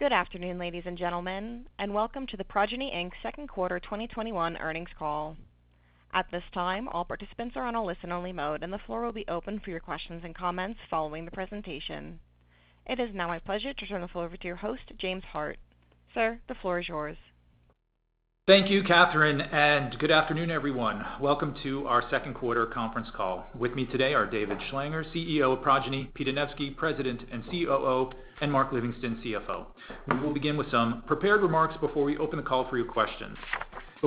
Good afternoon, ladies and gentlemen, and welcome to the Progyny, Inc. Q2 2021 Earnings Call. At this time, all participants are on a listen-only mode, and the floor will be open for your questions and comments following the presentation. It is now my pleasure to turn the floor over to your host, James Hart. Sir, the floor is yours. Thank you, Catherine. Good afternoon, everyone. Welcome to our Q2 conference call. With me today are David Schlanger, CEO of Progyny, Pete Anevski, President and COO, and Mark Livingston, CFO. We will begin with some prepared remarks before we open the call for your questions.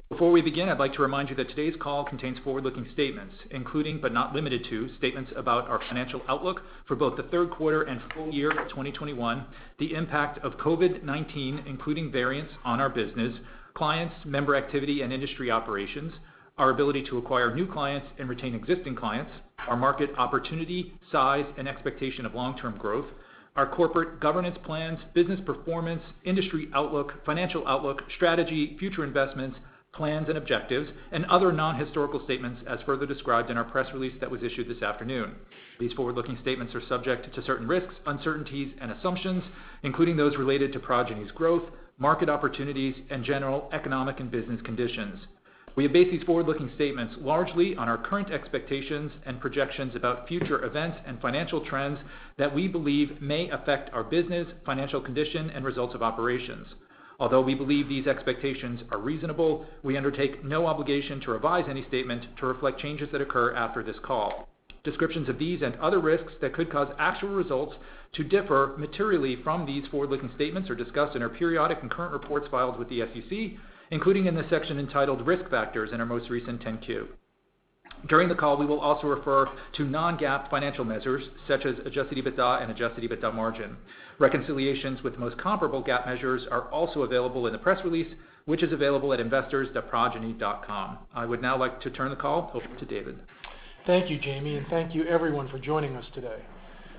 Before we begin, I'd like to remind you that today's call contains forward-looking statements, including, but not limited to, statements about our financial outlook for both the Q3 and full year of 2021, the impact of COVID-19, including variants, on our business, clients, member activity, and industry operations, Our ability to acquire new clients and retain existing clients, our market opportunity, size, and expectation of long-term growth, our corporate governance plans, business performance, industry outlook, financial outlook, strategy, future investments, plans and objectives, and other non-historical statements as further described in our press release that was issued this afternoon. These forward-looking statements are subject to certain risks, uncertainties, and assumptions, including those related to Progyny's growth, market opportunities, and general economic and business conditions. We have based these forward-looking statements largely on our current expectations and projections about future events and financial trends that we believe may affect our business, financial condition, and results of operations. Although we believe these expectations are reasonable, we undertake no obligation to revise any statement to reflect changes that occur after this call. Descriptions of these and other risks that could cause actual results to differ materially from these forward-looking statements are discussed in our periodic and current reports filed with the SEC, including in the section entitled Risk Factors in our most recent 10-Q. During the call, we will also refer to non-GAAP financial measures such as Adjusted EBITDA and Adjusted EBITDA margin. Reconciliations with the most comparable GAAP measures are also available in the press release, which is available at investors.progyny.com. I would now like to turn the call over to David. Thank you, James, and thank you, everyone, for joining us today.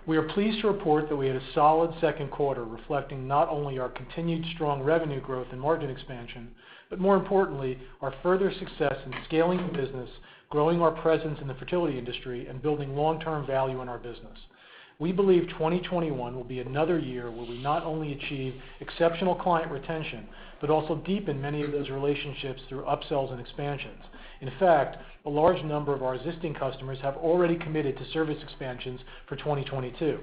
We are pleased to report that we had a solid Q2 reflecting not only our continued strong revenue growth and margin expansion, but more importantly, our further success in scaling the business, growing our presence in the fertility industry, and building long-term value in our business. We believe 2021 will be another year where we not only achieve exceptional client retention, but also deepen many of those relationships through upsells and expansions. In fact, a large number of our existing customers have already committed to service expansions for 2022.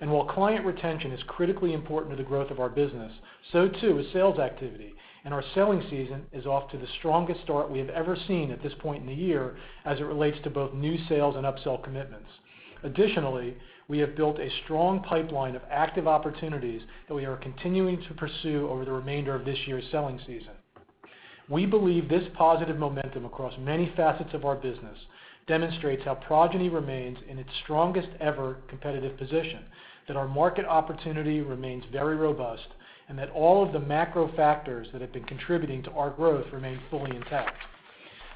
While client retention is critically important to the growth of our business, so too is sales activity, and our selling season is off to the strongest start we have ever seen at this point in the year as it relates to both new sales and upsell commitments. Additionally, we have built a strong pipeline of active opportunities that we are continuing to pursue over the remainder of this year's selling season. We believe this positive momentum across many facets of our business demonstrates how Progyny remains in its strongest ever competitive position, that our market opportunity remains very robust, and that all of the macro factors that have been contributing to our growth remain fully intact.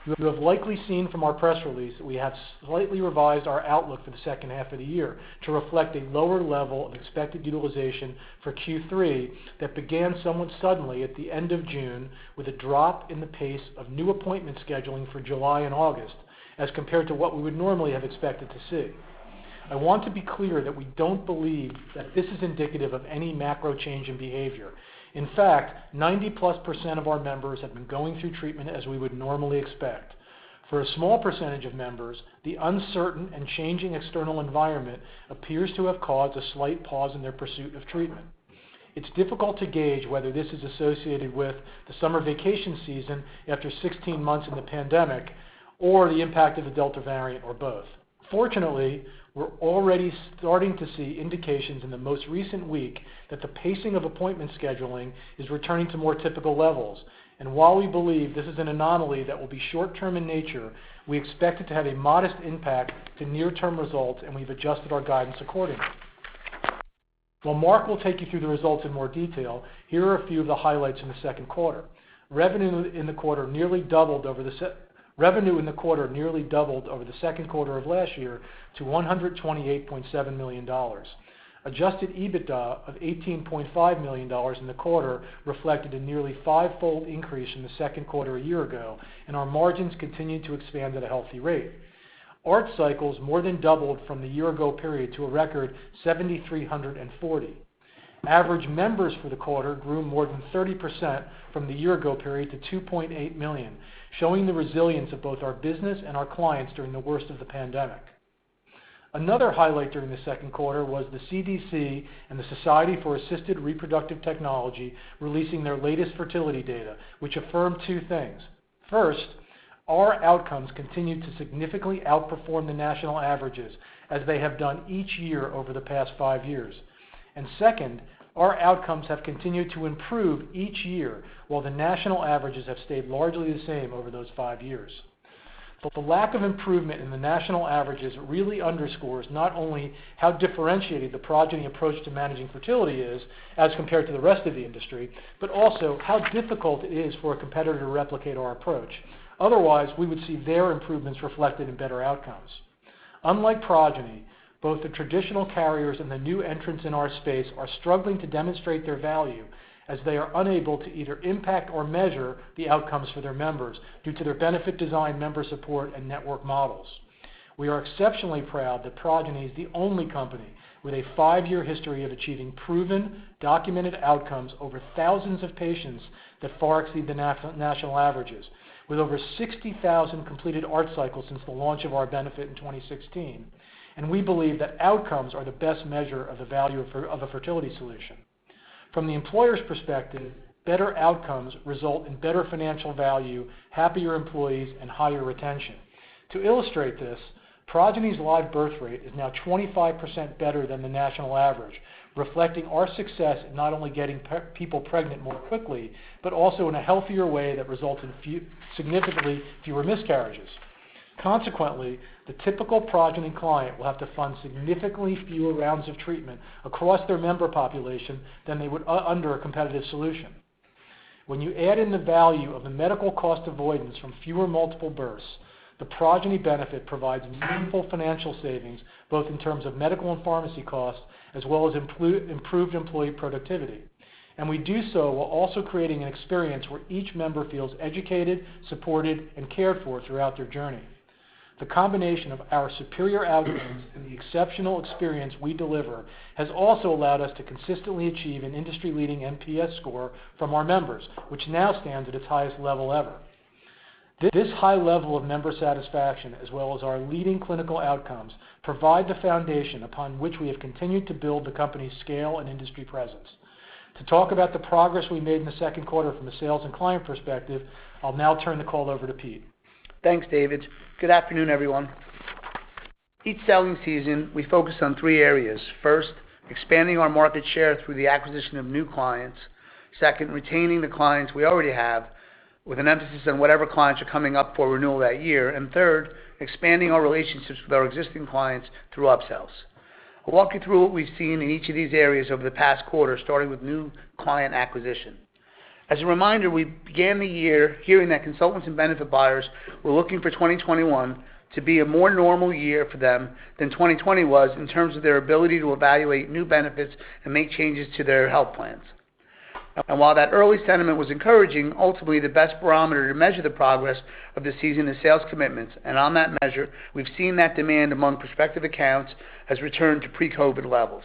You would have likely seen from our press release that we have slightly revised our outlook for the second half of the year to reflect a lower level of expected utilization for Q3 that began somewhat suddenly at the end of June with a drop in the pace of new appointment scheduling for July and August as compared to what we would normally have expected to see. I want to be clear that we don't believe that this is indicative of any macro change in behavior. In fact, 90%-plus of our members have been going through treatment as we would normally expect. For a small percentage of members, the uncertain and changing external environment appears to have caused a slight pause in their pursuit of treatment. It's difficult to gauge whether this is associated with the summer vacation season after 16 months in the pandemic or the impact of the Delta variant, or both. Fortunately, we're already starting to see indications in the most recent week that the pacing of appointment scheduling is returning to more typical levels. While we believe this is an anomaly that will be short-term in nature, we expect it to have a modest impact to near-term results, and we've adjusted our guidance accordingly. While Mark will take you through the results in more detail, here are a few of the highlights in the Q2. Revenue in the quarter nearly doubled over the Q2 of last year to $128.7 million. Adjusted EBITDA of $18.5 million in the quarter reflected a nearly fivefold increase in the Q2 a year ago, and our margins continued to expand at a healthy rate. ART cycles more than doubled from the year-ago period to a record 7,340. Average members for the quarter grew more than 30% from the year-ago period to 2.8 million, showing the resilience of both our business and our clients during the worst of the pandemic. Another highlight during the Q2 was the CDC and the Society for Assisted Reproductive Technology releasing their latest fertility data, which affirmed two things. First, our outcomes continued to significantly outperform the national averages as they have done each year-over the past five years. Second, our outcomes have continued to improve each year while the national averages have stayed largely the same over those five years. The lack of improvement in the national averages really underscores not only how differentiated the Progyny approach to managing fertility is as compared to the rest of the industry, but also how difficult it is for a competitor to replicate our approach. Otherwise, we would see their improvements reflected in better outcomes. Unlike Progyny, both the traditional carriers and the new entrants in our space are struggling to demonstrate their value as they are unable to either impact or measure the outcomes for their members due to their benefit design, member support, and network models. We are exceptionally proud that Progyny is the only company with a five-year history of achieving proven, documented outcomes over thousands of patients that far exceed the national averages, with over 60,000 completed ART cycles since the launch of our benefit in 2016. We believe that outcomes are the best measure of the value of a fertility solution. From the employer's perspective, better outcomes result in better financial value, happier employees, and higher retention. To illustrate this, Progyny's live birth rate is now 25% better than the national average, reflecting our success in not only getting people pregnant more quickly, but also in a healthier way that results in significantly fewer miscarriages. Consequently, the typical Progyny client will have to fund significantly fewer rounds of treatment across their member population than they would under a competitive solution. When you add in the value of the medical cost avoidance from fewer multiple births, the Progyny benefit provides meaningful financial savings both in terms of medical and pharmacy costs, as well as improved employee productivity. We do so while also creating an experience where each member feels educated, supported, and cared for throughout their journey. The combination of our superior outcomes and the exceptional experience we deliver has also allowed us to consistently achieve an industry-leading NPS score from our members, which now stands at its highest level ever. This high level of member satisfaction, as well as our leading clinical outcomes, provide the foundation upon which we have continued to build the company's scale and industry presence. To talk about the progress we made in the Q2 from a sales and client perspective, I'll now turn the call over to Pete. Thanks, David. Good afternoon, everyone. Each selling season, we focus on three areas. First, expanding our market share through the acquisition of new clients. Second, retaining the clients we already have, with an emphasis on whatever clients are coming up for renewal that year. Third, expanding our relationships with our existing clients through upsells. I'll walk you through what we've seen in each of these areas over the past quarter, starting with new client acquisition. As a reminder, we began the year hearing that consultants and benefit buyers were looking for 2021 to be a more normal year for them than 2020 was in terms of their ability to evaluate new benefits and make changes to their health plans. While that early sentiment was encouraging, ultimately, the best barometer to measure the progress of the season is sales commitments. On that measure, we've seen that demand among prospective accounts has returned to pre-COVID levels.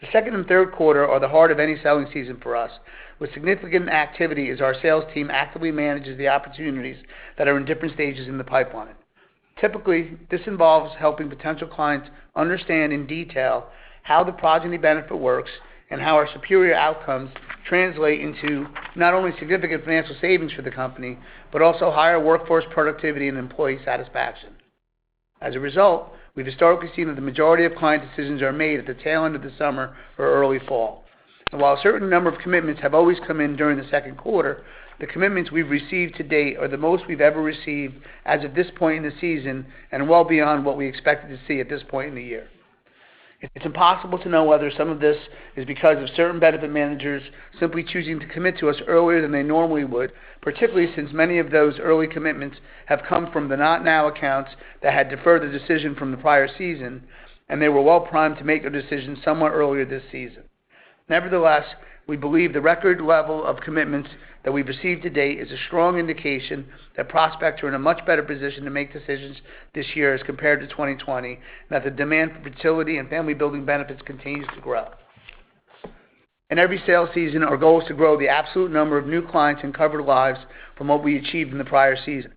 The second and Q3 are the heart of any selling season for us, with significant activity as our sales team actively manages the opportunities that are in different stages in the pipeline. Typically, this involves helping potential clients understand in detail how the Progyny benefit works and how our superior outcomes translate into not only significant financial savings for the company, but also higher workforce productivity and employee satisfaction. As a result, we've historically seen that the majority of client decisions are made at the tail end of the summer or early fall. While a certain number of commitments have always come in during the Q2, the commitments we've received to date are the most we've ever received as of this point in the season and well beyond what we expected to see at this point in the year. It's impossible to know whether some of this is because of certain benefit managers simply choosing to commit to us earlier than they normally would, particularly since many of those early commitments have come from the not now accounts that had deferred the decision from the prior season, and they were well primed to make a decision somewhat earlier this season. Nevertheless, we believe the record level of commitments that we've received to date is a strong indication that prospects are in a much better position to make decisions this year as compared to 2020, and that the demand for fertility and family-building benefits continues to grow. In every sales season, our goal is to grow the absolute number of new clients and covered lives from what we achieved in the prior season.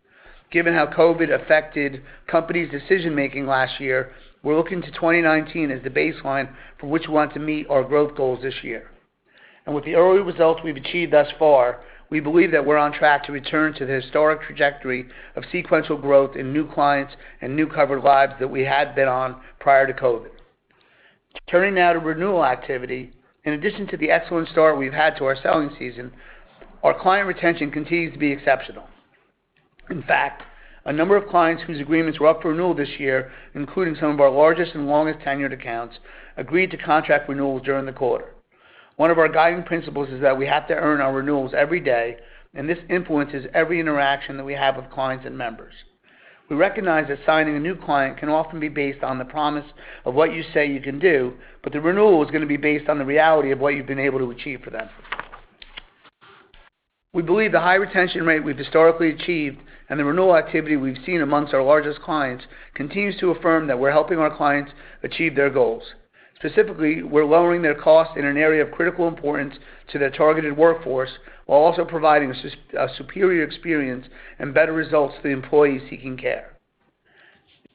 Given how COVID affected companies' decision-making last year, we're looking to 2019 as the baseline for which we want to meet our growth goals this year. With the early results we've achieved thus far, we believe that we're on track to return to the historic trajectory of sequential growth in new clients and new covered lives that we had been on prior to COVID. Turning now to renewal activity, in addition to the excellent start we've had to our selling season, our client retention continues to be exceptional. In fact, a number of clients whose agreements were up for renewal this year, including some of our largest and longest-tenured accounts, agreed to contract renewals during the quarter. One of our guiding principles is that we have to earn our renewals every day, and this influences every interaction that we have with clients and members. We recognize that signing a new client can often be based on the promise of what you say you can do, but the renewal is going to be based on the reality of what you've been able to achieve for them. We believe the high retention rate we've historically achieved and the renewal activity we've seen amongst our largest clients continues to affirm that we're helping our clients achieve their goals. Specifically, we're lowering their cost in an area of critical importance to their targeted workforce while also providing a superior experience and better results to the employees seeking care.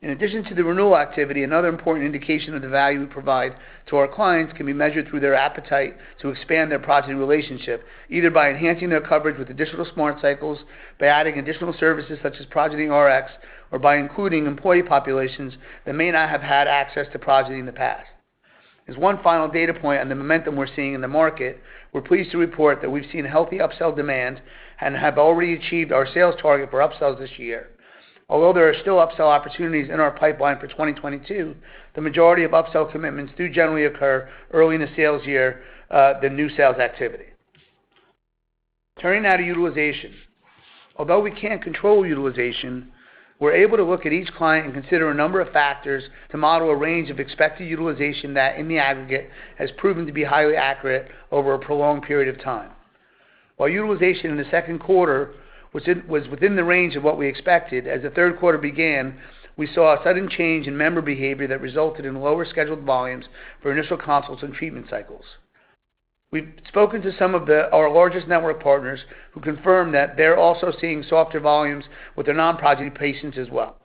In addition to the renewal activity, another important indication of the value we provide to our clients can be measured through their appetite to expand their Progyny relationship, either by enhancing their coverage with additional Smart Cycles, by adding additional services such as Progyny Rx, or by including employee populations that may not have had access to Progyny in the past. As one final data point on the momentum we're seeing in the market, we're pleased to report that we've seen healthy upsell demand and have already achieved our sales target for upsells this year. Although there are still upsell opportunities in our pipeline for 2022, the majority of upsell commitments do generally occur early in the sales year than new sales activity. Turning now to utilization. Although we can't control utilization, we're able to look at each client and consider a number of factors to model a range of expected utilization that, in the aggregate, has proven to be highly accurate over a prolonged period of time. While utilization in the Q2 was within the range of what we expected, as the Q3 began, we saw a sudden change in member behavior that resulted in lower scheduled volumes for initial consults and treatment cycles. We've spoken to some of our largest network partners who confirm that they're also seeing softer volumes with their non-Progyny patients as well.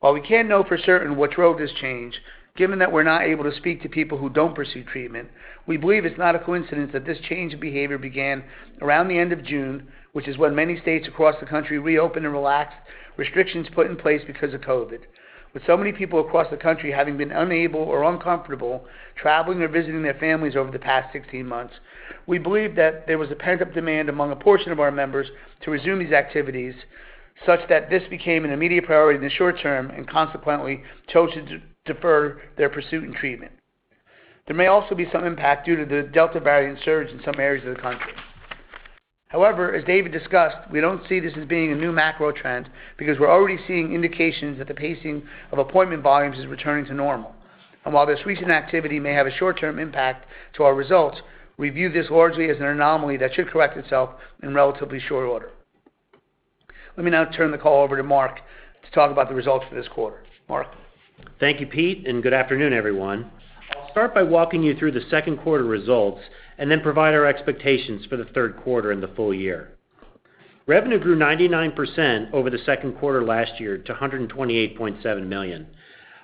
While we can't know for certain what drove this change, given that we're not able to speak to people who don't pursue treatment, we believe it's not a coincidence that this change in behavior began around the end of June, which is when many states across the country reopened and relaxed restrictions put in place because of COVID. With so many people across the country having been unable or uncomfortable traveling or visiting their families over the past 16 months, we believe that there was a pent-up demand among a portion of our members to resume these activities, such that this became an immediate priority in the short term, and consequently, chose to defer their pursuit in treatment. There may also be some impact due to the Delta variant surge in some areas of the country. However, as David discussed, we don't see this as being a new macro trend because we're already seeing indications that the pacing of appointment volumes is returning to normal. While this recent activity may have a short-term impact to our results, we view this largely as an anomaly that should correct itself in relatively short order. Let me now turn the call over to Mark to talk about the results for this quarter. Mark? Thank you, Pete. Good afternoon, everyone. I'll start by walking you through the Q2 results and then provide our expectations for the Q3 and the full year. Revenue grew 99% over the Q2 last year to $128.7 million.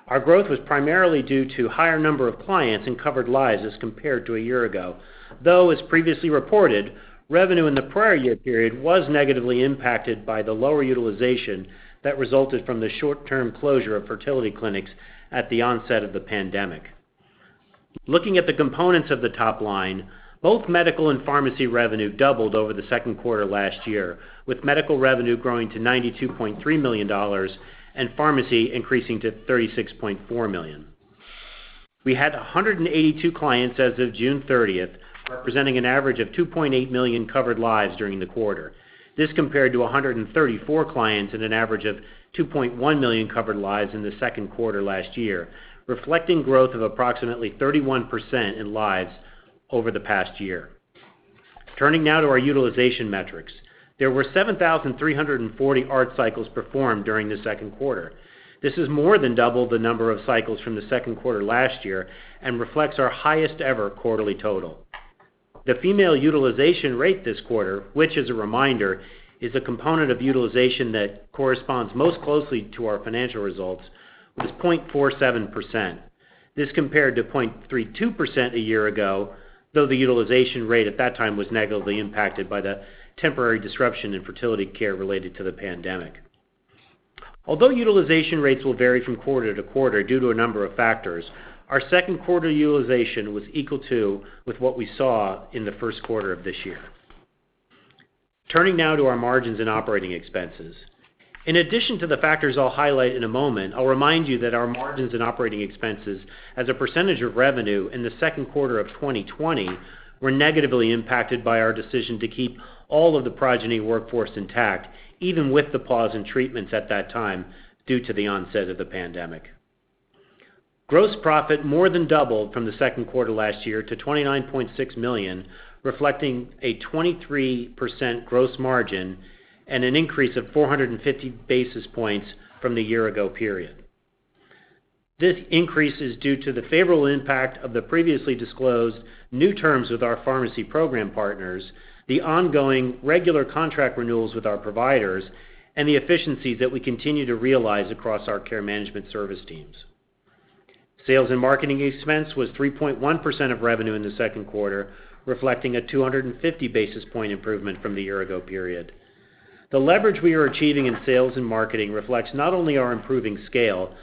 Our growth was primarily due to higher number of clients and covered lives as compared to a year ago. As previously reported, revenue in the prior year period was negatively impacted by the lower utilization that resulted from the short-term closure of fertility clinics at the onset of the pandemic. Looking at the components of the top line, both medical and pharmacy revenue doubled over the Q2 last year, with medical revenue growing to $92.3 million and pharmacy increasing to $36.4 million. We had 182 clients as of June 30th, representing an average of 2.8 million covered lives during the quarter. This compared to 134 clients and an average of 2.1 million covered lives in the Q2 last year, reflecting growth of approximately 31% in lives over the past year. Turning now to our utilization metrics. There were 7,340 ART cycles performed during the Q2. This has more than doubled the number of cycles from the Q2 last year and reflects our highest-ever quarterly total. The female utilization rate this quarter, which, as a reminder, is a component of utilization that corresponds most closely to our financial results, was 0.47%. This compared to 0.32% a year ago, though the utilization rate at that time was negatively impacted by the temporary disruption in fertility care related to the pandemic. Although utilization rates will vary from quarter-to-quarter due to a number of factors, our Q2 utilization was equal to with what we saw in the Q1 of this year. Turning now to our margins and operating expenses. In addition to the factors I'll highlight in a moment, I'll remind you that our margins and operating expenses as a percentage of revenue in the Q2 of 2020 were negatively impacted by our decision to keep all of the Progyny workforce intact, even with the pause in treatments at that time, due to the onset of the pandemic. Gross profit more than doubled from the Q2 last year to $29.6 million, reflecting a 23% gross margin and an increase of 450 basis points from the year-ago period. This increase is due to the favorable impact of the previously disclosed new terms with our pharmacy program partners, the ongoing regular contract renewals with our providers, and the efficiencies that we continue to realize across our care management service teams. Sales and marketing expense was 3.1% of revenue in the Q2, reflecting a 250 basis point improvement from the year-ago period. The leverage we are achieving in sales and marketing reflects not only our improving scale,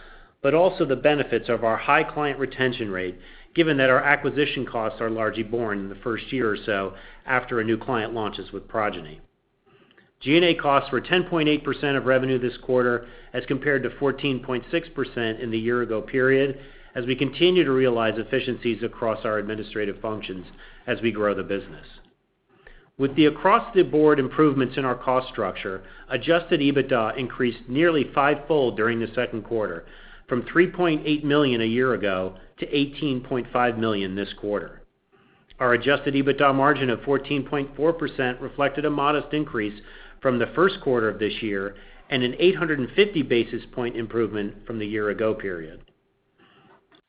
but also the benefits of our high client retention rate, given that our acquisition costs are largely borne in the first year or so after a new client launches with Progyny. G&A costs were 10.8% of revenue this quarter as compared to 14.6% in the year-ago period, as we continue to realize efficiencies across our administrative functions as we grow the business. With the across-the-board improvements in our cost structure, Adjusted EBITDA increased nearly fivefold during the Q2, from $3.8 million a year ago to $18.5 million this quarter. Our Adjusted EBITDA margin of 14.4% reflected a modest increase from the Q1 of this year and an 850 basis point improvement from the year-ago period.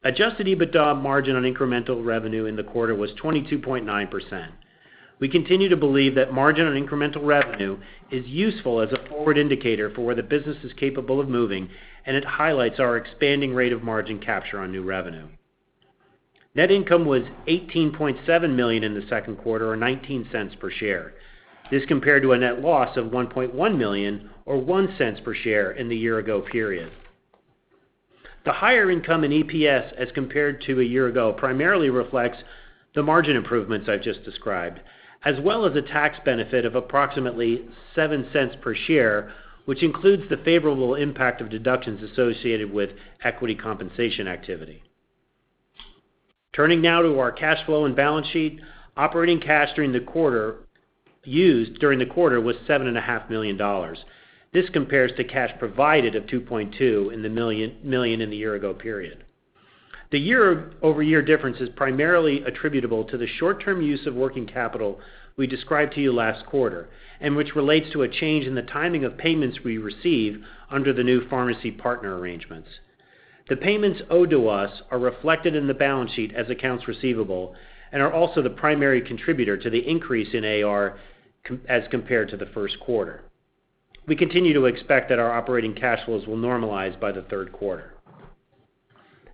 Adjusted EBITDA margin on incremental revenue in the quarter was 22.9%. We continue to believe that margin on incremental revenue is useful as a forward indicator for where the business is capable of moving, and it highlights our expanding rate of margin capture on new revenue. Net income was $18.7 million in the Q2, or $0.19 per share. This compared to a net loss of $1.1 million or $0.01 per share in the year-ago period. The higher income in EPS as compared to a year-ago primarily reflects the margin improvements I've just described, as well as a tax benefit of approximately $0.07 per share, which includes the favorable impact of deductions associated with equity compensation activity. Turning now to our cash flow and balance sheet. Operating cash used during the quarter was $7.5 million. This compares to cash provided of $2.2 million in the year-ago period. The year-over-year difference is primarily attributable to the short-term use of working capital we described to you last quarter, and which relates to a change in the timing of payments we receive under the new pharmacy partner arrangements. The payments owed to us are reflected in the balance sheet as accounts receivable and are also the primary contributor to the increase in AR as compared to the Q1. We continue to expect that our operating cash flows will normalize by the Q3.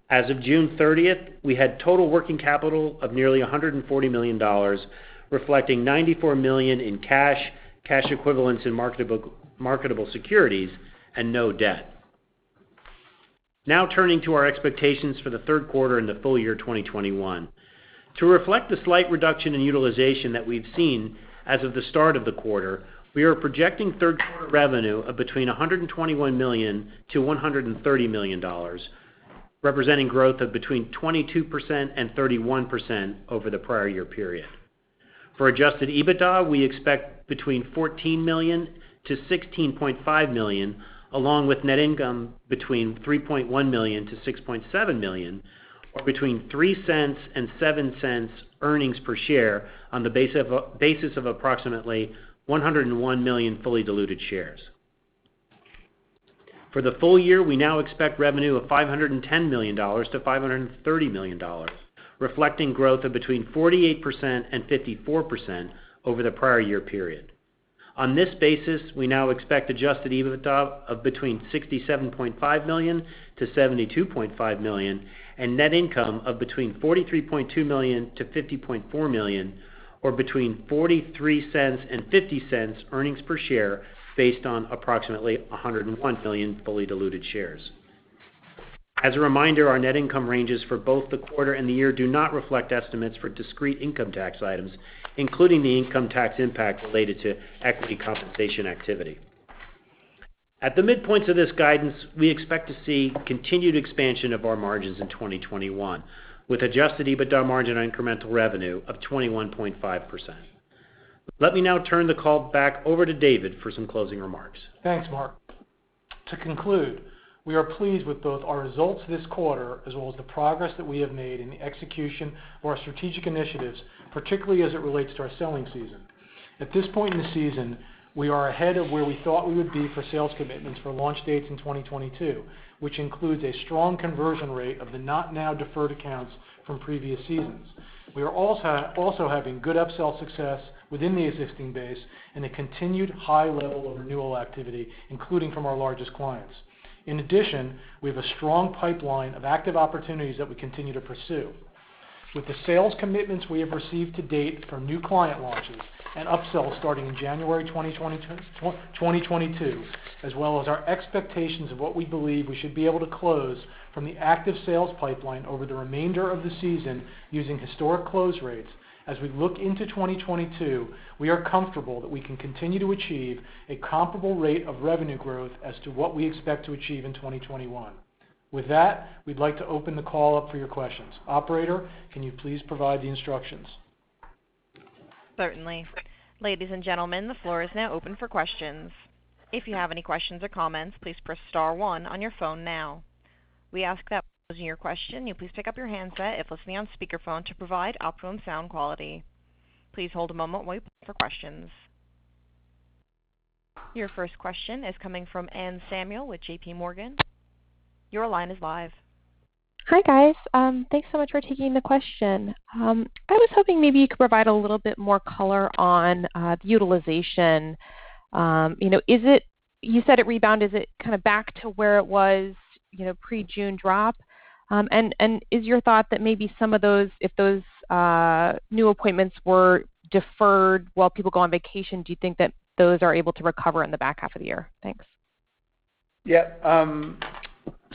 As of June 30th, we had total working capital of nearly $140 million, reflecting $94 million in cash equivalents, and marketable securities, and no debt. Now turning to our expectations for the Q3 and the full year 2021. To reflect the slight reduction in utilization that we've seen as of the start of the quarter, we are projecting Q3 revenue of between $121 million-$130 million, representing growth of between 22%-31% over the prior year period. For Adjusted EBITDA, we expect between $14 million-$16.5 million, along with net income between $3.1 million-$6.7 million, or between $0.03 and $0.07 earnings per share on the basis of approximately 101 million fully diluted shares. For the full year, we now expect revenue of $510 million-$530 million, reflecting growth of between 48% and 54% over the prior year period. On this basis, we now expect Adjusted EBITDA of between $67.5 million-$72.5 million and net income of between $43.2 million-$50.4 million, or between $0.43 and $0.50 earnings per share based on approximately 101 million fully diluted shares. As a reminder, our net income ranges for both the quarter and the year do not reflect estimates for discrete income tax items, including the income tax impact related to equity compensation activity. At the midpoints of this guidance, we expect to see continued expansion of our margins in 2021, with Adjusted EBITDA margin on incremental revenue of 21.5%. Let me now turn the call back over to David for some closing remarks. Thanks, Mark. To conclude, we are pleased with both our results this quarter, as well as the progress that we have made in the execution of our strategic initiatives, particularly as it relates to our selling season. At this point in the season, we are ahead of where we thought we would be for sales commitments for launch dates in 2022, which includes a strong conversion rate of the not now deferred accounts from previous seasons. We are also having good upsell success within the existing base and a continued high level of renewal activity, including from our largest clients. In addition, we have a strong pipeline of active opportunities that we continue to pursue. With the sales commitments we have received to date from new client launches and upsells starting in January 2022, as well as our expectations of what we believe we should be able to close from the active sales pipeline over the remainder of the season using historic close rates, as we look into 2022, We are comfortable that we can continue to achieve a comparable rate of revenue growth as to what we expect to achieve in 2021. With that, we'd like to open the call up for your questions. Operator, can you please provide the instructions? Certainly. Ladies and gentlemen, the floor is now open for questions. Your first question is coming from Anne Samuel with JPMorgan. Your line is live. Hi, guys. Thanks so much for taking the question. I was hoping maybe you could provide a little bit more color on the utilization. You said it rebounded. Is it back to where it was pre-June drop? Is your thought that maybe some of those, if those new appointments were deferred while people go on vacation, do you think that those are able to recover in the back half of the year? Thanks. Yeah.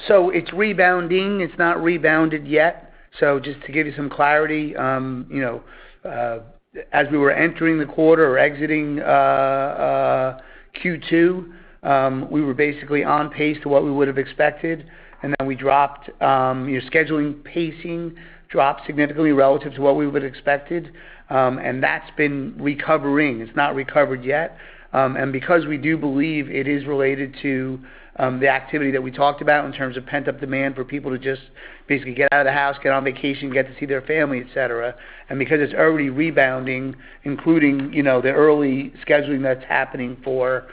It's rebounding. It's not rebounded yet. Just to give you some clarity, as we were entering the quarter or exiting Q2, we were basically on pace to what we would've expected. Then we dropped, scheduling pacing dropped significantly relative to what we would've expected. That's been recovering. It's not recovered yet. Because we do believe it is related to the activity that we talked about in terms of pent-up demand for people to just basically get out of the house, get on vacation, get to see their family, et cetera, because it's already rebounding, including the early scheduling that's happening for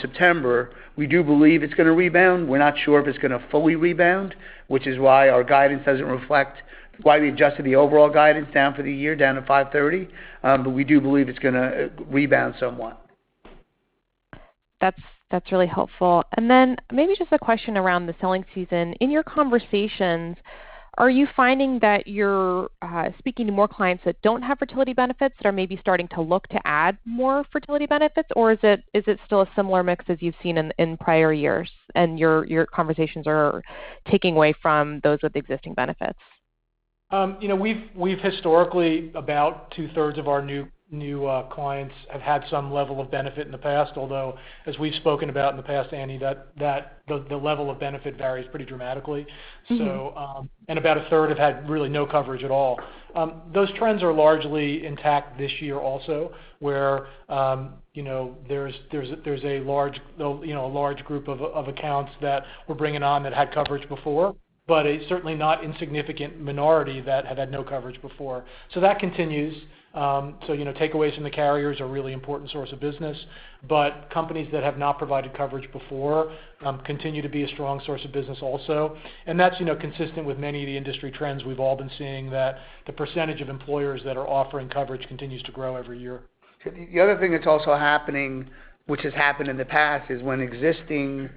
September, we do believe it's going to rebound. We're not sure if it's going to fully rebound, which is why our guidance doesn't reflect why we adjusted the overall guidance down for the year, down to $530. We do believe it's going to rebound somewhat. That's really helpful. Then maybe just a question around the selling season. In your conversations, are you finding that you're speaking to more clients that don't have fertility benefits that are maybe starting to look to add more fertility benefits, or is it still a similar mix as you've seen in prior years and your conversations are taking away from those with existing benefits? We've historically, about two-thirds of our new clients have had some level of benefit in the past, although, as we've spoken about in the past, Anne, the level of benefit varies pretty dramatically. About a third have had really no coverage at all. Those trends are largely intact this year also, where there's a large group of accounts that we're bringing on that had coverage before, but a certainly not insignificant minority that have had no coverage before. That continues. Takeaways from the carriers are a really important source of business, but companies that have not provided coverage before continue to be a strong source of business also. That's consistent with many of the industry trends we've all been seeing, that the percentage of employers that are offering coverage continues to grow every year. The other thing that's also happening, which has happened in the past, is when existing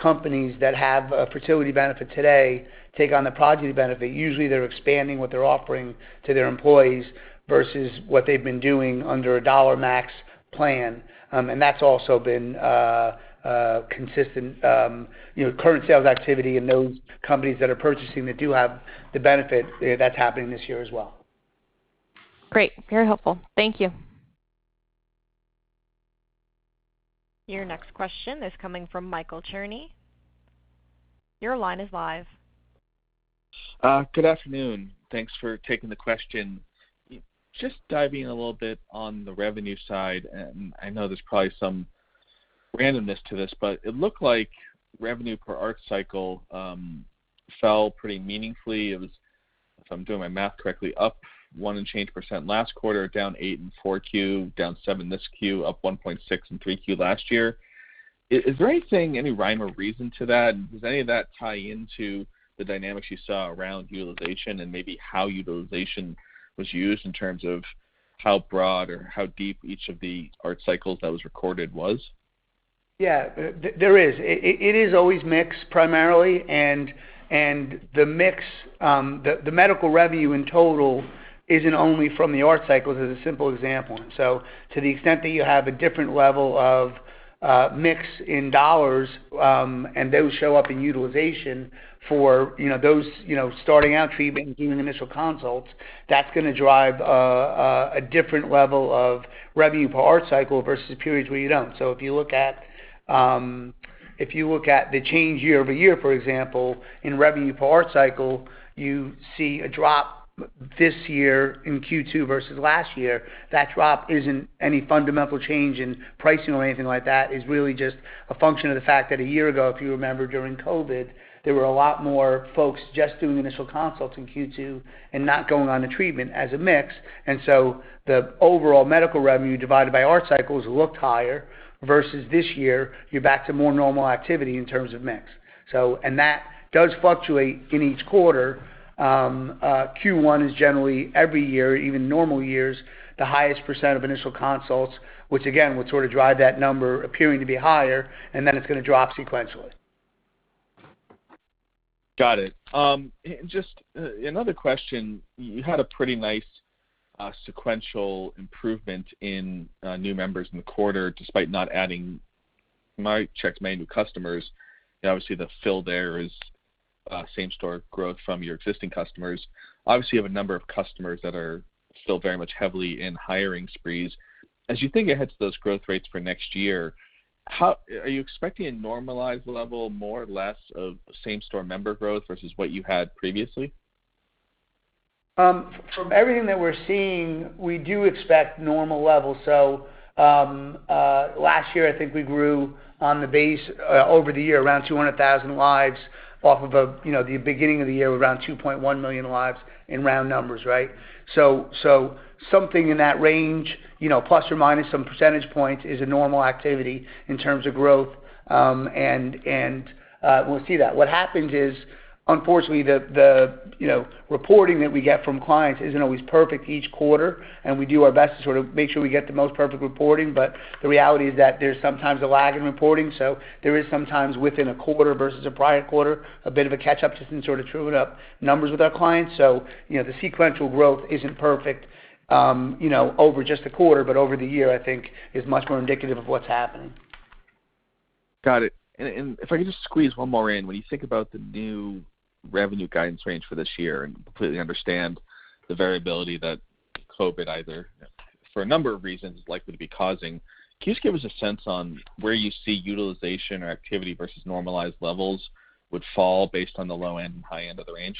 companies that have a fertility benefit today take on the Progyny benefit, usually they're expanding what they're offering to their employees versus what they've been doing under a dollar max plan. That's also been consistent. Current sales activity in those companies that are purchasing that do have the benefit, that's happening this year as well. Great. Very helpful. Thank you. Your next question is coming from Michael Cherny. Your line is live. Good afternoon. Thanks for taking the question. Diving a little bit on the revenue side, and I know there's probably some randomness to this, but it looked like revenue per ART cycle fell pretty meaningfully. It was, if I'm doing my math correctly, up 1 and change% last quarter, down 8 in 4Q, down 7 this Q, up 1.6 in 3Q last year. Is there anything, any rhyme or reason to that? Does any of that tie into the dynamics you saw around utilization and maybe how utilization was used in terms of how broad or how deep each of the ART cycles that was recorded was? There is. It is always mix primarily. The medical revenue in total isn't only from the ART cycles as a simple example. To the extent that you have a different level of mix in $, and those show up in utilization for those starting out treatment and doing the initial consults, that's going to drive a different level of revenue per ART cycle versus periods where you don't. If you look at the change year-over-year, for example, in revenue per ART cycle, you see a drop this year in Q2 versus last year. That drop isn't any fundamental change in pricing or anything like that. It's really just a function of the fact that a year ago, if you remember during COVID, there were a lot more folks just doing initial consults in Q2 and not going on to treatment as a mix. The overall medical revenue divided by ART cycles looked higher versus this year, you're back to more normal activity in terms of mix. That does fluctuate in each quarter. Q1 is generally every year, even normal years, the highest % of initial consults, which again, would sort of drive that number appearing to be higher, and then it's going to drop sequentially. Got it. Just another question. You had a pretty nice sequential improvement in new members in the quarter, despite not adding, from what I checked, many new customers. The fill there is same store growth from your existing customers. You have a number of customers that are still very much heavily in hiring sprees. As you think ahead to those growth rates for next year, are you expecting a normalized level, more or less of same store member growth versus what you had previously? From everything that we're seeing, we do expect normal levels. Last year, I think we grew on the base over the year around 200,000 lives off of the beginning of the year, around 2.1 million lives in round numbers, right? Something in that range, plus or minus some percentage points, is a normal activity in terms of growth, and we'll see that. What happens is, unfortunately, the reporting that we get from clients isn't always perfect each quarter, and we do our best to sort of make sure we get the most perfect reporting, but the reality is that there's sometimes a lag in reporting. There is sometimes within a quarter versus a prior quarter, a bit of a catch-up to sort of true it up numbers with our clients. The sequential growth isn't perfect over just a quarter, but over the year, I think is much more indicative of what's happening. Got it. If I could just squeeze one more in. When you think about the new revenue guidance range for this year, and completely understand the variability that COVID either, for a number of reasons, is likely to be causing, can you just give us a sense on where you see utilization or activity versus normalized levels would fall based on the low end and high end of the range?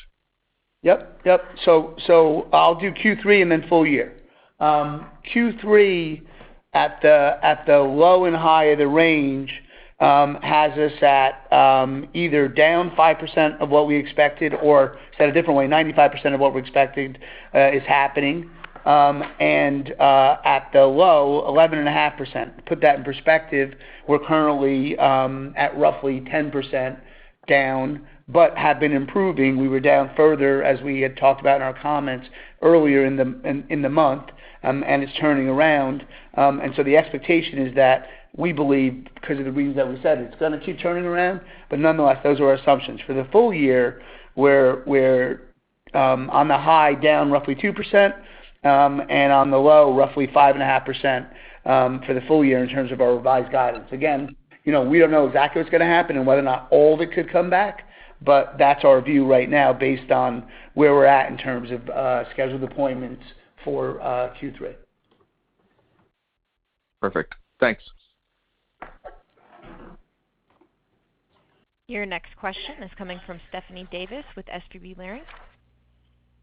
Yep. I'll do Q3 and then full year. Q3 at the low and high of the range has us at either down 5% of what we expected, or said a different way, 95% of what we're expecting is happening. At the low, 11.5%. To put that in perspective, we're currently at roughly 10% down, but have been improving. We were down further as we had talked about in our comments earlier in the month, and it's turning around. The expectation is that we believe because of the reasons that we said, it's going to keep turning around, but nonetheless, those are our assumptions. For the full year, we're on the high down roughly 2%, and on the low, roughly 5.5% for the full year in terms of our revised guidance. Again, we don't know exactly what's going to happen and whether or not all of it could come back, but that's our view right now based on where we're at in terms of scheduled appointments for Q3. Perfect. Thanks. Your next question is coming from Stephanie Davis with SVB Leerink.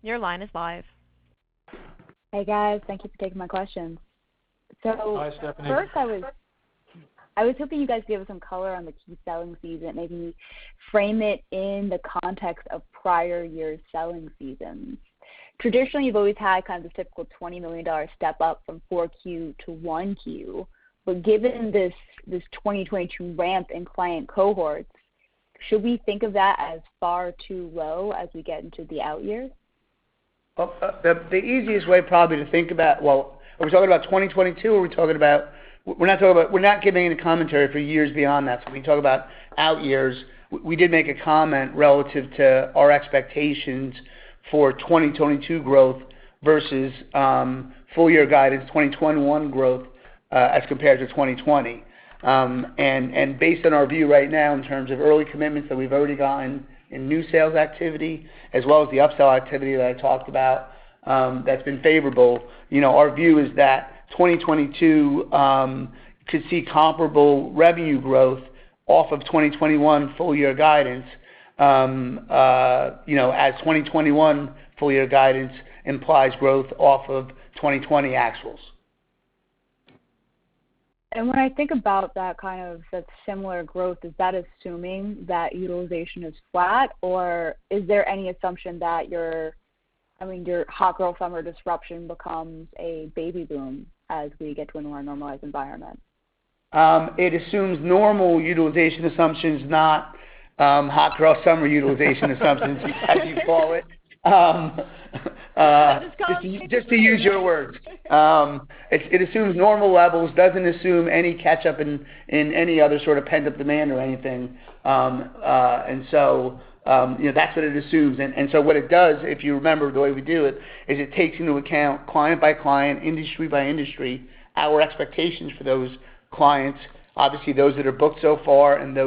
Your line is live. Hey, guys. Thank Thank you for taking my question. Hi, Stephanie. First, I was hoping you guys could give some color on the key selling season, maybe frame it in the context of prior years' selling seasons. Traditionally, you've always had kind of the typical $20 million step-up from 4Q-1Q. Given this 2022 ramp in client cohorts, should we think of that as far too low as we get into the out years? Well, the easiest way probably to think about, Well, are we talking about 2022 or are we talking about We're not giving any commentary for years beyond that. When you talk about out years, we did make a comment relative to our expectations for 2022 growth versus full-year guidance 2021 growth, as compared to 2020. Based on our view right now in terms of early commitments that we've already gotten in new sales activity as well as the upsell activity that I talked about that's been favorable, our view is that 2022 could see comparable revenue growth off of 2021 full-year guidance, as 2021 full-year guidance implies growth off of 2020 actuals. When I think about that kind of similar growth, is that assuming that utilization is flat, or is there any assumption that your hot girl summer disruption becomes a baby boom as we get to a more normalized environment? It assumes normal utilization assumptions, not hot girl summer utilization assumptions, as you call it. That was Colin's term. Just to use your words. It assumes normal levels. Doesn't assume any catch-up in any other sort of pent-up demand or anything. That's what it assumes. What it does, if you remember the way we do it, is it takes into account client by client, industry by industry, our expectations for those clients, Obviously those that are booked so far, the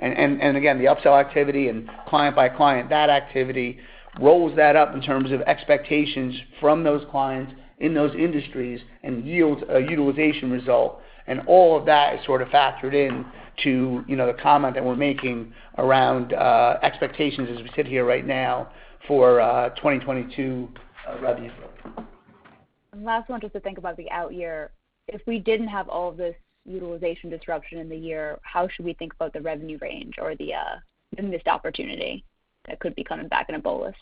upsell activity and client by client, that activity, rolls that up in terms of expectations from those clients in those industries and yields a utilization result. All of that is sort of factored into the comment that we're making around expectations as we sit here right now for 2022 revenue growth. Last one, just to think about the out year. If we didn't have all of this utilization disruption in the year, how should we think about the revenue range or the missed opportunity that could be coming back in a bolus?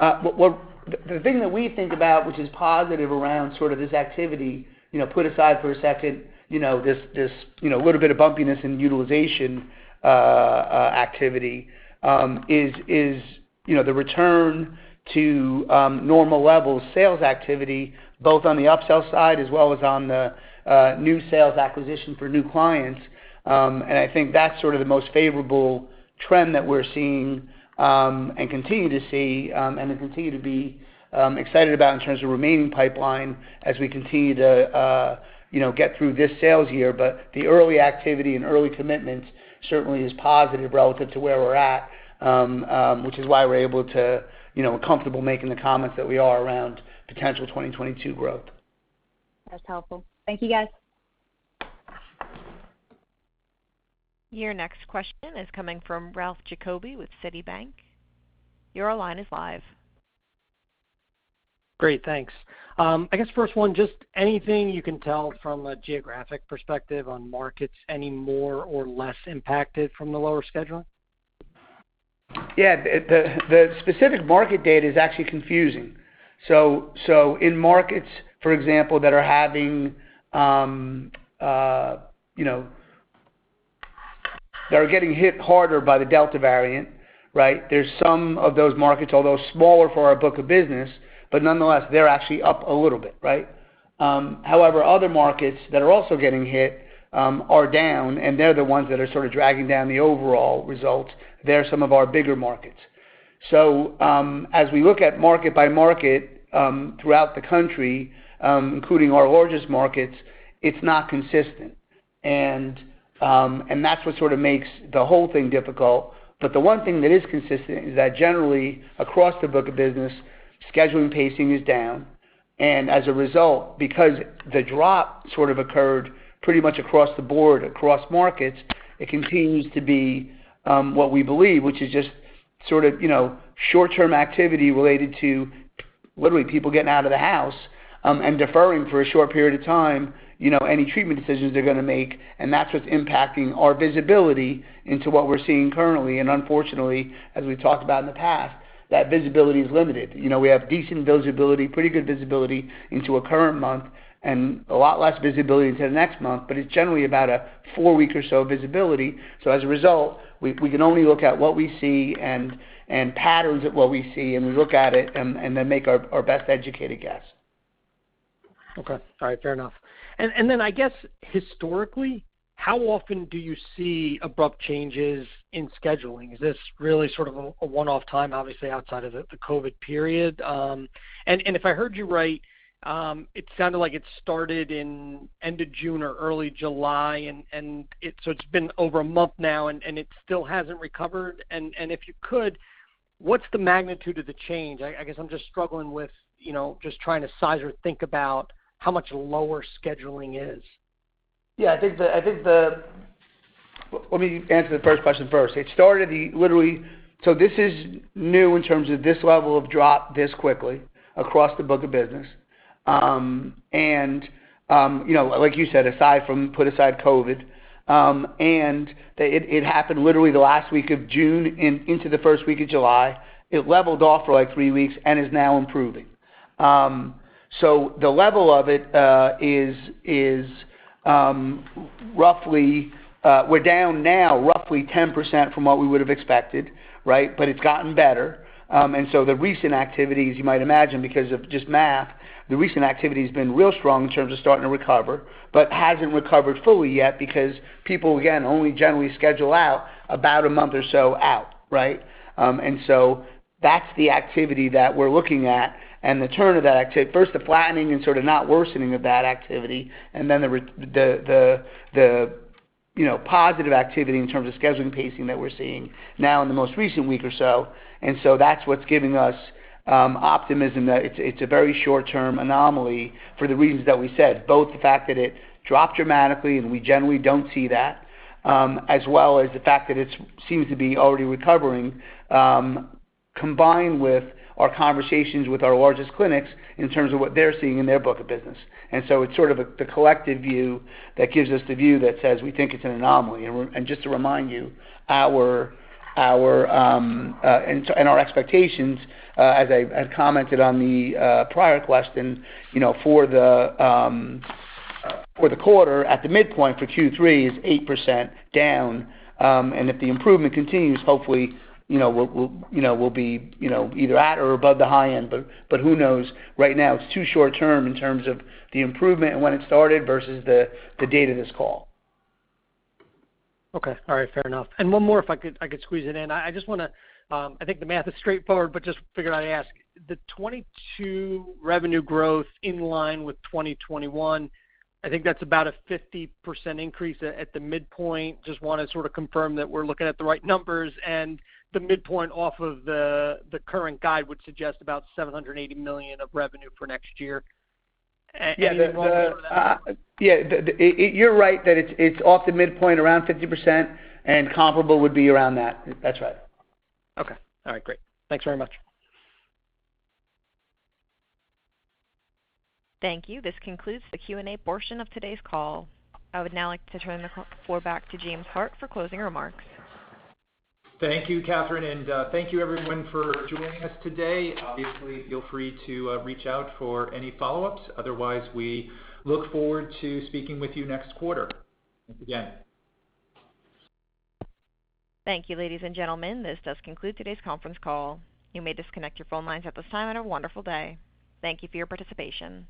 The thing that we think about which is positive around this activity, put aside for a second this little bit of bumpiness in utilization activity, is the return to normal levels of sales activity, both on the upsell side as well as on the new sales acquisition for new clients. I think that's sort of the most favorable trend that we're seeing, and continue to see, and continue to be excited about in terms of remaining pipeline as we continue to get through this sales year. The early activity and early commitments certainly is positive relative to where we're at, which is why we're comfortable making the comments that we are around potential 2022 growth. That's helpful. Thank you, guys. Your next question is coming from Ralph Giacobbe with Citi. Your line is live. Great, thanks. I guess first one, just anything you can tell from a geographic perspective on markets, any more or less impacted from the lower scheduling? Yeah. The specific market data is actually confusing. In markets, for example, that are getting hit harder by the Delta variant, right? There's some of those markets, although smaller for our book of business, but nonetheless, they're actually up a little bit, right? However, other markets that are also getting hit are down, and they're the ones that are sort of dragging down the overall results. They're some of our bigger markets. As we look at market by market throughout the country, including our largest markets, it's not consistent. That's what sort of makes the whole thing difficult. The one thing that is consistent is that generally, across the book of business, scheduling pacing is down. As a result, because the drop sort of occurred pretty much across the board, across markets, it continues to be what we believe, which is just sort of short-term activity related to literally people getting out of the house, and deferring for a short period of time any treatment decisions they're going to make. That's what's impacting our visibility into what we're seeing currently. Unfortunately, as we've talked about in the past, that visibility is limited. We have decent visibility, pretty good visibility into a current month, and a lot less visibility into the next month, but it's generally about a four-week or so visibility. As a result, we can only look at what we see and patterns of what we see, and we look at it, and then make our best educated guess. Okay. All right, fair enough. Then I guess historically, how often do you see abrupt changes in scheduling? Is this really sort of a one-off time, obviously outside of the COVID period? If I heard you right, it sounded like it started in end of June or early July, and so it's been over a month now, and it still hasn't recovered. If you could what's the magnitude of the change? I guess I'm just struggling with just trying to size or think about how much lower scheduling is. Let me answer the first question first. This is new in terms of this level of drop this quickly across the book of business. Like you said, put aside COVID, it happened literally the last week of June into the first week of July. It leveled off for three weeks and is now improving. The level of it is we're down now roughly 10% from what we would've expected, right? It's gotten better. The recent activity, as you might imagine, because of just math, the recent activity's been real strong in terms of starting to recover, but hasn't recovered fully yet because people, again, only generally schedule out about one month or so out, right? That's the activity that we're looking at, and the turn of that activity. First, the flattening and sort of not worsening of that activity, and then the positive activity in terms of scheduling pacing that we're seeing now in the most recent week or so. That's what's giving us optimism that it's a very short-term anomaly for the reasons that we said. Both the fact that it dropped dramatically and we generally don't see that, as well as the fact that it seems to be already recovering, combined with our conversations with our largest clinics in terms of what they're seeing in their book of business. It's sort of the collective view that gives us the view that says we think it's an anomaly. Just to remind you, and our expectations, as I commented on the prior question, for the quarter at the midpoint for Q3 is 8% down. If the improvement continues, hopefully, we'll be either at or above the high end. Who knows? Right now it's too short term in terms of the improvement and when it started versus the date of this call. Okay. All right. Fair enough. One more if I could squeeze it in. I think the math is straightforward, but just figured I'd ask. The 2022 revenue growth in line with 2021, I think that's about a 50% increase at the midpoint. Just want to sort of confirm that we're looking at the right numbers, the midpoint off of the current guide would suggest about $780 million of revenue for next year. You're on board with that? Yeah. You're right that it's off the midpoint around 50%, and comparable would be around that. That's right. Okay. All right. Great. Thanks very much. Thank you. This concludes the Q&A portion of today's call. I would now like to turn the floor back to James Hart for closing remarks. Thank you, Catherine, and thank you everyone for joining us today. Obviously, feel free to reach out for any follow-ups. Otherwise, we look forward to speaking with you next quarter. Thanks again. Thank you, ladies and gentlemen. This does conclude today's conference call. You may disconnect your phone lines at this time, and have a wonderful day. Thank you for your participation.